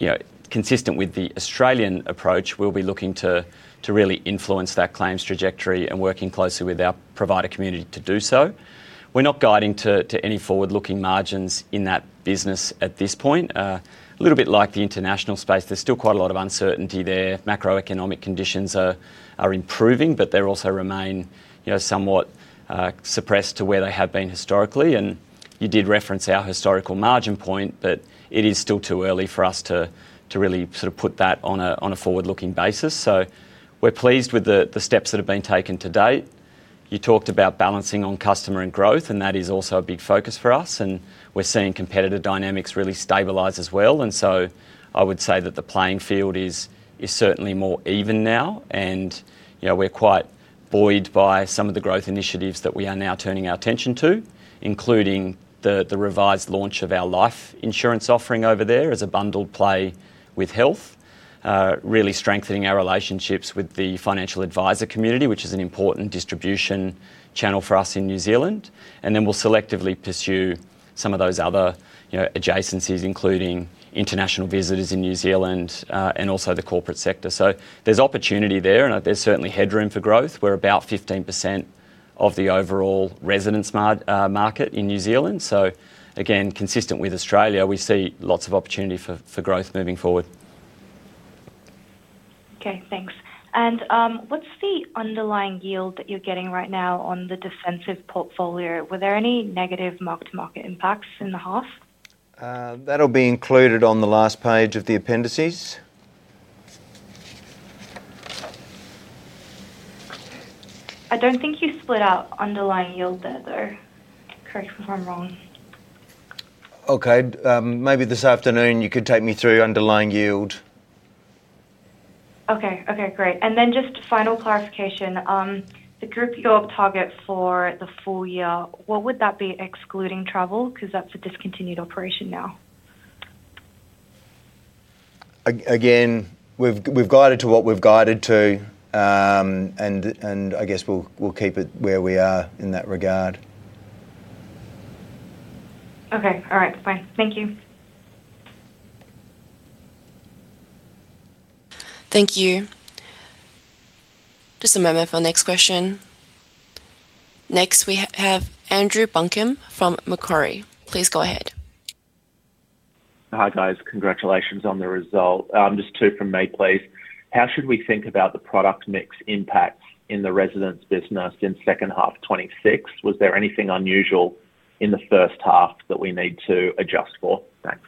Speaker 1: you know, consistent with the Australian approach, we'll be looking to, to really influence that claims trajectory and working closely with our provider community to do so. We're not guiding to, to any forward-looking margins in that business at this point. A little bit like the international space, there's still quite a lot of uncertainty there. Macroeconomic conditions are, are improving, but they also remain, you know, somewhat suppressed to where they have been historically. You did reference our historical margin point, but it is still too early for us to, to really sort of put that on a, on a forward-looking basis. We're pleased with the, the steps that have been taken to date. You talked about balancing on customer and growth, and that is also a big focus for us, and we're seeing competitive dynamics really stabilize as well. I would say that the playing field is, is certainly more even now, and, you know, we're quite buoyed by some of the growth initiatives that we are now turning our attention to, including the, the revised launch of our life insurance offering over there as a bundled play with health. Really strengthening our relationships with the financial advisor community, which is an important distribution channel for us in New Zealand. We'll selectively pursue some of those other, you know, adjacencies, including international visitors in New Zealand, and also the corporate sector. There's opportunity there, and there's certainly headroom for growth. We're about 15% of the overall residence mar, market in New Zealand, so again, consistent with Australia, we see lots of opportunity for, for growth moving forward.
Speaker 8: Okay, thanks. What's the underlying yield that you're getting right now on the defensive portfolio? Were there any negative mark-to-market impacts in the half?
Speaker 2: That'll be included on the last page of the appendices.
Speaker 8: I don't think you split out underlying yield there, though. Correct me if I'm wrong.
Speaker 1: Okay, maybe this afternoon you could take me through underlying yield.
Speaker 8: Okay. Okay, great. Then just final clarification, the group year target for the full year, what would that be, excluding travel? 'Cause that's a discontinued operation now.
Speaker 1: Again, we've, we've guided to what we've guided to, and I guess we'll, we'll keep it where we are in that regard.
Speaker 8: Okay. All right, bye. Thank you.
Speaker 3: Thank you. Just a moment for our next question. Next, we have Andrew Buncombe from Macquarie. Please go ahead.
Speaker 9: Hi, guys. Congratulations on the result. Just two from me, please. How should we think about the product mix impacts in the residents business in H2 2026? Was there anything unusual in the H1 that we need to adjust for? Thanks.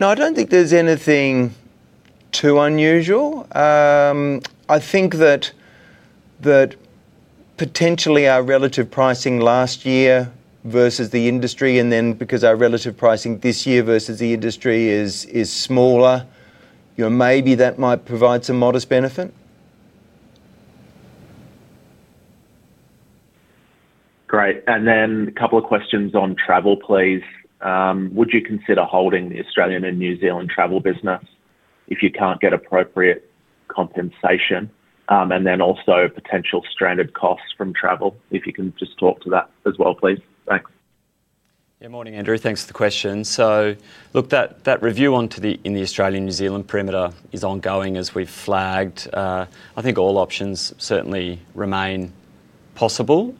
Speaker 2: No, I don't think there's anything too unusual. I think that, that potentially our relative pricing last year versus the industry, and then because our relative pricing this year versus the industry is, is smaller, you know, maybe that might provide some modest benefit.
Speaker 9: Great. A couple of questions on travel, please. Would you consider holding the Australian and New Zealand travel business if you can't get appropriate compensation, and then also potential stranded costs from travel, if you can just talk to that as well, please? Thanks.
Speaker 1: Yeah, morning, Andrew. Thanks for the question. Look, that, that review onto the, in the Australian, New Zealand perimeter is ongoing as we've flagged. I think all options certainly remain possible.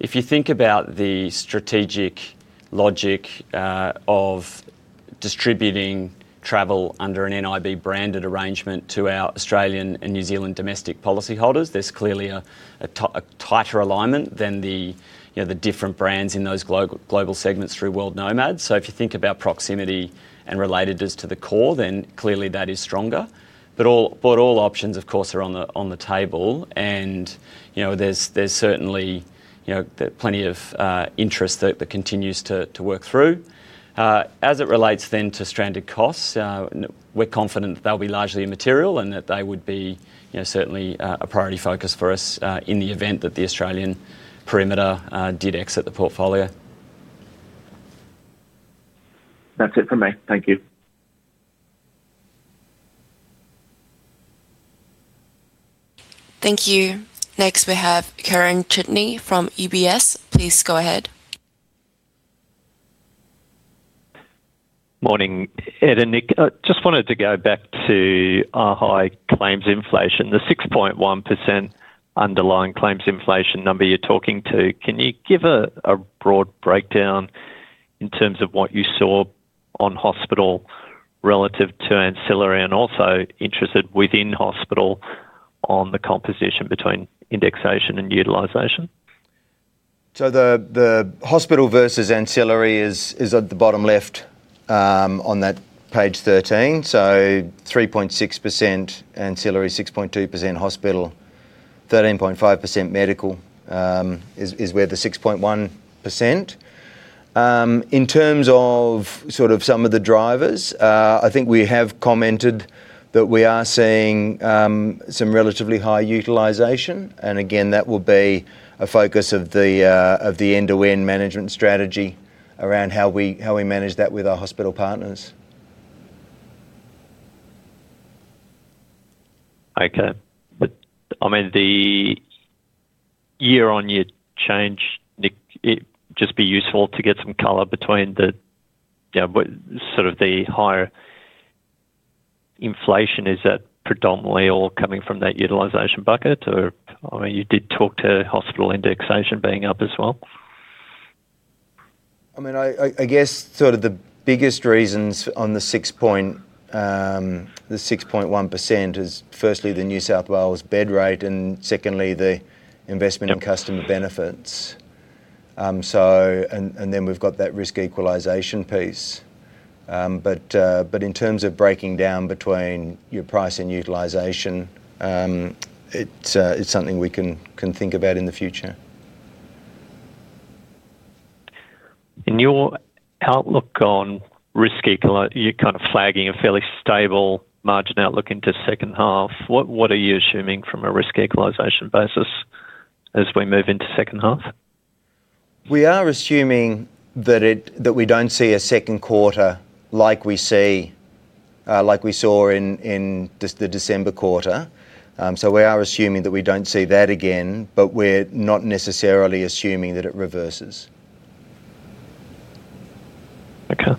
Speaker 1: If you think about the strategic logic of distributing travel under an nib-branded arrangement to our Australian and New Zealand domestic policyholders, there's clearly a tighter alignment than the, you know, the different brands in those global, global segments through World Nomad. If you think about proximity and relatedness to the core, then clearly that is stronger. but all options, of course, are on the, on the table, and, you know, there's, there's certainly, you know, the plenty of interest that, that continues to, to work through. As it relates then to stranded costs, we're confident that they'll be largely immaterial and that they would be, you know, certainly, a priority focus for us, in the event that the Australian perimeter did exit the portfolio.
Speaker 9: That's it for me. Thank you.
Speaker 3: Thank you. Next, we have Kieran Chidgey from UBS. Please go ahead.
Speaker 10: Morning, Ed and Nick. I just wanted to go back to high claims inflation, the 6.1% underlying claims inflation number you're talking to. Can you give a broad breakdown in terms of what you saw on hospital relative to ancillary, and also interested within hospital on the composition between indexation and utilization?
Speaker 2: The, the hospital versus ancillary is, is at the bottom left on that page 13. 3.6% ancillary, 6.2% hospital, 13.5% medical is, is where the 6.1%. In terms of sort of some of the drivers, I think we have commented that we are seeing some relatively high utilization, and again, that will be a focus of the, of the end-to-end management strategy around how we, how we manage that with our hospital partners.
Speaker 10: Okay. I mean, the year-on-year change, Nick, it'd just be useful to get some color between the, you know, what sort of the higher inflation, is that predominantly all coming from that utilization bucket? I mean, you did talk to hospital indexation being up as well.
Speaker 2: I mean, I guess sort of the biggest reasons on the six point, the 6.1% is firstly the New South Wales bed rate and secondly, the investment in customer benefits. Then we've got that risk equalization piece. In terms of breaking down between your price and utilization, it's, it's something we can, can think about in the future.
Speaker 10: In your outlook on risk you're kind of flagging a fairly stable margin outlook into H2, what, what are you assuming from a risk equalization basis as we move into H2?
Speaker 2: We are assuming that we don't see a second quarter like we see, like we saw in, in this, the December quarter. We are assuming that we don't see that again, but we're not necessarily assuming that it reverses.
Speaker 10: Okay.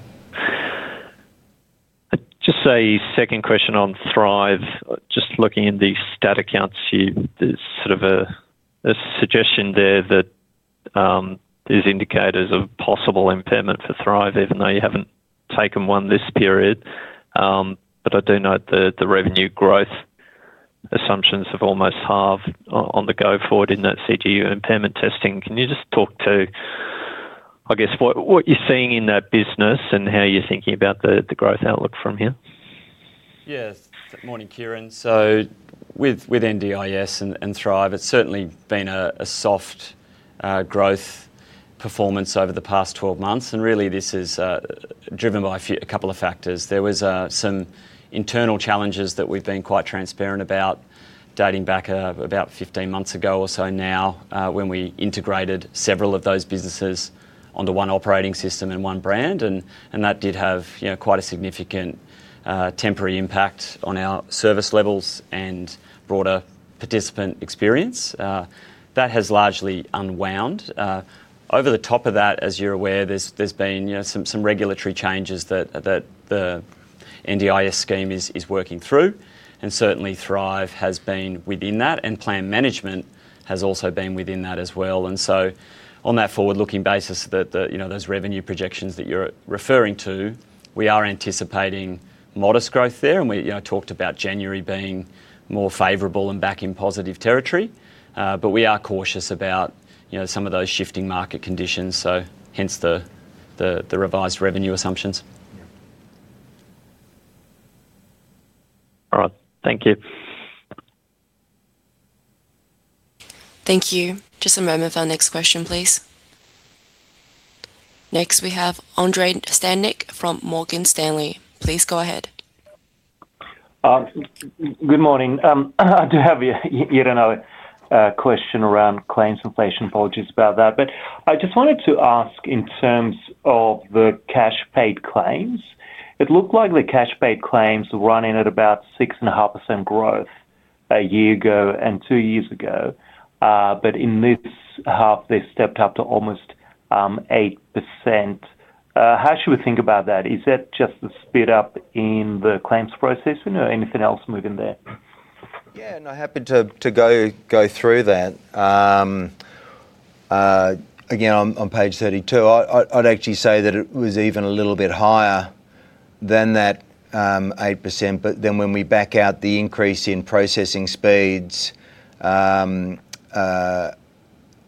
Speaker 10: Just a second question on Thrive. Just looking in the stat accounts, there's sort of a suggestion there that, there's indicators of possible impairment for Thrive, even though you haven't taken one this period. I do note the revenue growth assumptions have almost halved on the go forward in that CGU impairment testing. Can you just talk to, I guess, what, what you're seeing in that business and how you're thinking about the growth outlook from here?
Speaker 1: Yes. Morning, Kieran. With, with NDIS and, and Thrive, it's certainly been a, a soft growth performance over the past 12 months. Really, this is driven by a few, a couple of factors. There was some internal challenges that we've been quite transparent about, dating back about 15 months ago or so now, when we integrated several of those businesses onto one operating system and one brand. That did have, you know, quite a significant temporary impact on our service levels and broader participant experience. That has largely unwound. Over the top of that, as you're aware, there's, there's been, you know, some, some regulatory changes that, that the NDIS scheme is, is working through, and certainly Thrive has been within that. Plan Management has also been within that as well. On that forward-looking basis, the, you know, those revenue projections that you're referring to, we are anticipating modest growth there, and we, you know, talked about January being more favorable and back in positive territory. We are cautious about, you know, some of those shifting market conditions. Hence the revised revenue assumptions.
Speaker 10: Yeah. All right. Thank you.
Speaker 3: Thank you. Just a moment for our next question, please. Next, we have Andre Stadnik from Morgan Stanley. Please go ahead.
Speaker 11: Good morning, to have you, Nick, a question around claims inflation. Apologies about that. I just wanted to ask in terms of the cash paid claims, it looked like the cash paid claims were running at about 6.5% growth a year ago and two years ago, but in this half, they stepped up to almost 8%. How should we think about that? Is that just the speed up in the claims processing or anything else moving there?
Speaker 2: Yeah, and I'm happy to, to go, go through that. Again, on page 32, I'd actually say that it was even a little bit higher than that, 8%, then when we back out the increase in processing speeds, and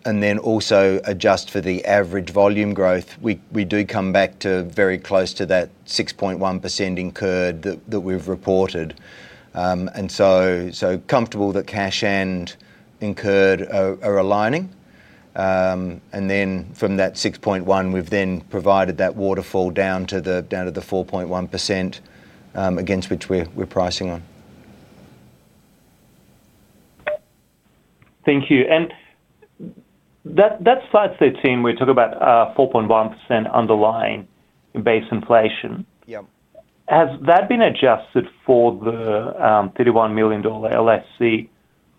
Speaker 2: then also adjust for the average volume growth, we, we do come back to very close to that 6.1% incurred that, that we've reported. So, so comfortable that cash and incurred are, are aligning. Then from that 6.1, we've then provided that waterfall down to the, down to the 4.1%, against which we're, we're pricing on.
Speaker 11: Thank you. That, that slide 13, we talk about 4.1% underlying base inflation.
Speaker 2: Yeah.
Speaker 11: Has that been adjusted for the $31 million LSC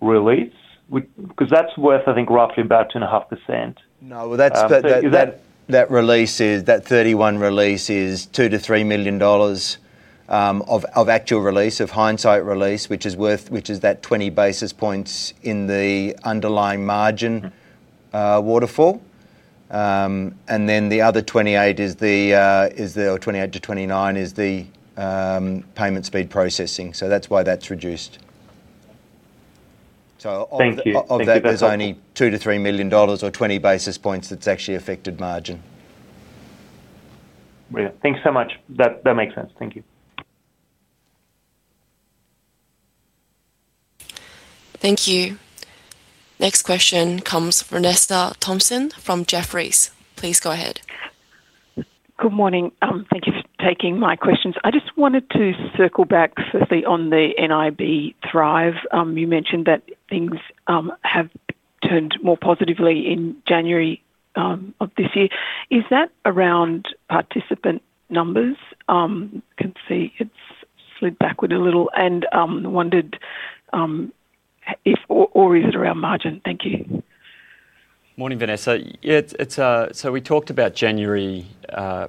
Speaker 11: release? 'cause that's worth, I think, roughly about 2.5%.
Speaker 2: No, that's-
Speaker 11: Um, so-
Speaker 2: That, that release is, that 31 release is 2 million-3 million dollars of actual release, of hindsight release, which is worth-- which is that 20 basis points in the underlying margin waterfall. The other 28 is the... or 28-29 is the payment speed processing, so that's why that's reduced. Of that-
Speaker 11: Thank you.
Speaker 2: There's only 2 million-3 million dollars or 20 basis points that's actually affected margin.
Speaker 11: Brilliant. Thanks so much. That, that makes sense. Thank you.
Speaker 3: Thank you. Next question comes from Vanessa Thompson from Jefferies. Please go ahead.
Speaker 12: Good morning. Thank you for taking my questions. I just wanted to circle back firstly on the nib Thrive. You mentioned that things have turned more positively in January of this year. Is that around participant numbers? Can see it's slid backward a little, and wondered if or, or is it around margin? Thank you.
Speaker 1: Morning, Vanessa. Yeah, it's, it's... We talked about January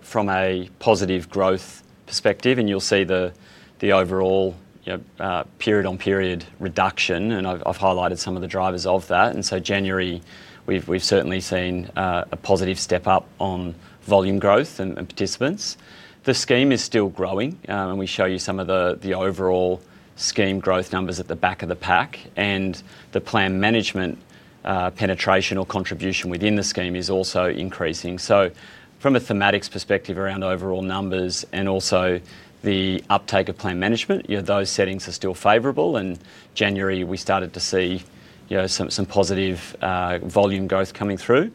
Speaker 1: from a positive growth perspective, and you'll see the, the overall, you know, period-on-period reduction, and I've, I've highlighted some of the drivers of that. January, we've, we've certainly seen a positive step-up on volume growth and, and participants. The scheme is still growing, and we show you some of the, the overall scheme growth numbers at the back of the pack, and the plan management penetration or contribution within the scheme is also increasing. From a thematics perspective around overall numbers and also the uptake of plan management, you know, those settings are still favorable. In January, we started to see, you know, some, some positive volume growth coming through.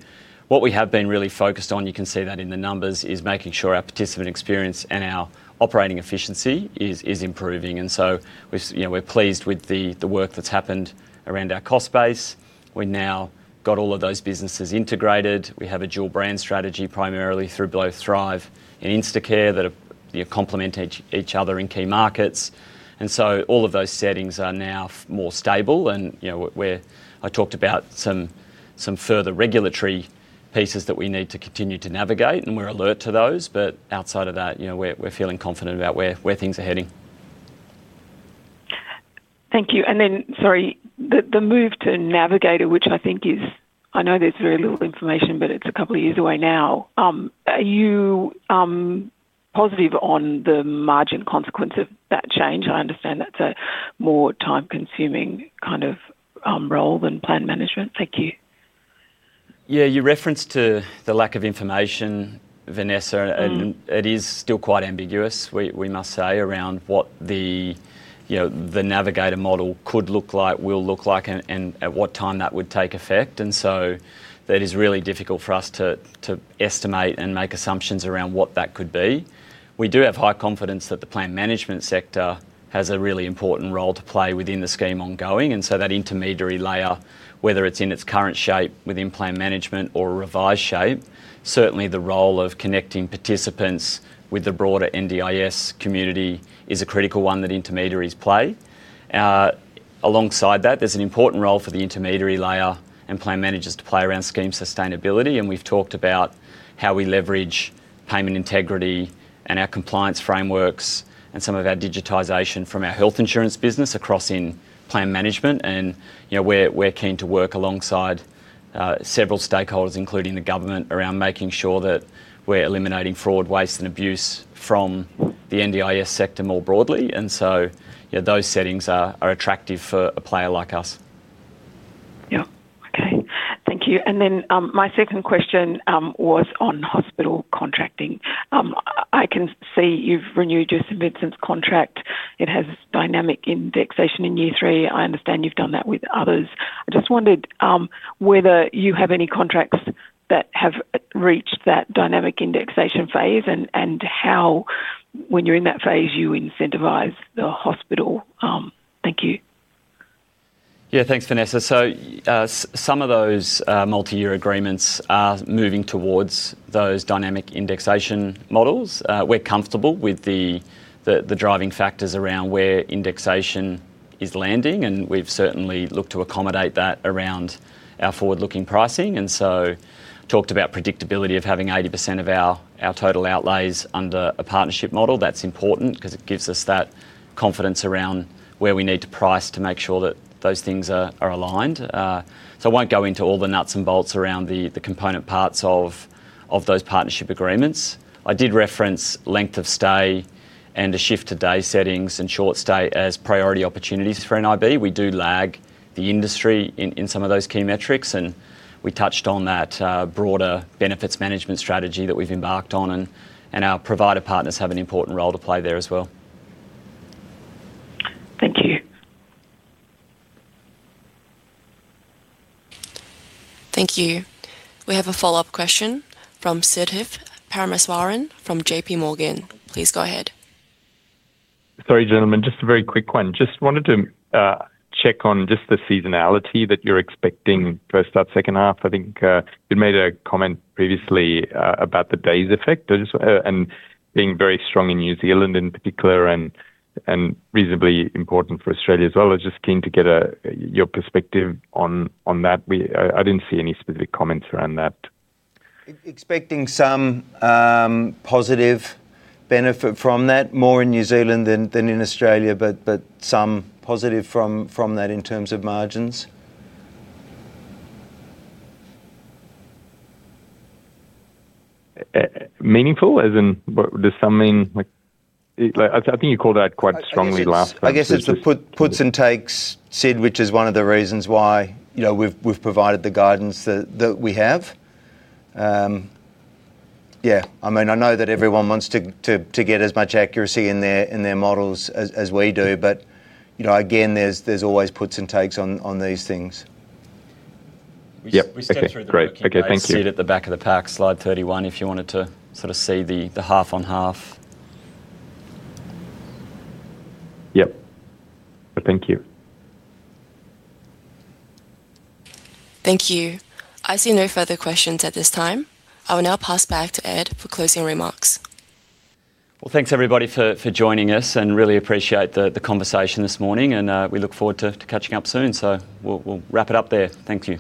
Speaker 1: What we have been really focused on, you can see that in the numbers, is making sure our participant experience and our operating efficiency is, is improving. We've, you know, we're pleased with the, the work that's happened around our cost base. We now got all of those businesses integrated. We have a dual brand strategy, primarily through Below Thrive and Instacare, that complement each, each other in key markets. All of those settings are now more stable and, you know, we're, we're-- I talked about some, some further regulatory pieces that we need to continue to navigate, and we're alert to those. Outside of that, you know, we're, we're feeling confident about where, where things are heading.
Speaker 12: Thank you. Then, sorry, the, the move to Navigator, which I think is... I know there's very little information, but it's a couple of years away now. Are you positive on the margin consequence of that change? I understand that's a more time-consuming kind of role than plan management. Thank you.
Speaker 1: Yeah, you referenced to the lack of information, Vanessa-
Speaker 12: Mm.
Speaker 1: It is still quite ambiguous, we must say, around what the, you know, the Navigator model could look like, will look like, and at what time that would take effect. That is really difficult for us to estimate and make assumptions around what that could be. We do have high confidence that the plan management sector has a really important role to play within the scheme ongoing. That intermediary layer, whether it's in its current shape within plan management or revised shape, certainly the role of connecting participants with the broader NDIS community is a critical one that intermediaries play. Alongside that, there's an important role for the intermediary layer and plan managers to play around scheme sustainability, and we've talked about how we leverage payment integrity and our compliance frameworks and some of our digitization from our health insurance business across in plan management. You know, we're, we're keen to work alongside several stakeholders, including the government, around making sure that we're eliminating fraud, waste, and abuse from the NDIS sector more broadly. You know, those settings are, are attractive for a player like us.
Speaker 12: Yeah. Okay. Thank you. My second question was on hospital contracting. I can see you've renewed your St. Vincent contract. It has dynamic indexation in year three. I understand you've done that with others. I just wondered, whether you have any contracts that have reached that dynamic indexation phase and, and how-... when you're in that phase, you incentivize the hospital? Thank you.
Speaker 1: Yeah, thanks, Vanessa. S- some of those multi-year agreements are moving towards those dynamic indexation models. We're comfortable with the, the, the driving factors around where indexation is landing, and we've certainly looked to accommodate that around our forward-looking pricing, talked about predictability of having 80% of our, our total outlays under a partnership model. That's important 'cause it gives us that confidence around where we need to price to make sure that those things are, are aligned. I won't go into all the nuts and bolts around the, the component parts of, of those partnership agreements. I did reference length of stay and a shift to day settings and short stay as priority opportunities for nib. We do lag the industry in, in some of those key metrics, and we touched on that, broader benefits management strategy that we've embarked on, and, and our provider partners have an important role to play there as well.
Speaker 12: Thank you.
Speaker 3: Thank you. We have a follow-up question from Sidharth Parameswaran from JPMorgan. Please go ahead.
Speaker 5: Sorry, gentlemen, just a very quick one. Just wanted to check on just the seasonality that you're expecting H1, H2. I think you made a comment previously about the days effect just and being very strong in New Zealand in particular, and, and reasonably important for Australia as well. I was just keen to get your perspective on, on that. I, I didn't see any specific comments around that.
Speaker 2: Expecting some positive benefit from that, more in New Zealand than, than in Australia, but, but some positive from, from that in terms of margins.
Speaker 5: meaningful? As in, what does something like... I, I think you called out quite strongly last-
Speaker 2: I guess it's the put, puts and takes, Sid, which is one of the reasons why, you know, we've, we've provided the guidance that, that we have. Yeah, I mean, I know that everyone wants to, to, to get as much accuracy in their, in their models as, as we do, but, you know, again, there's, there's always puts and takes on, on these things.
Speaker 5: Yep. Okay, great. Okay, thank you.
Speaker 2: See it at the back of the pack, slide 31, if you wanted to sort of see the half on half.
Speaker 5: Yep. Thank you.
Speaker 3: Thank you. I see no further questions at this time. I will now pass back to Ed for closing remarks.
Speaker 1: Well, thanks, everybody, for joining us, and really appreciate the conversation this morning, and we look forward to catching up soon. We'll wrap it up there. Thank you.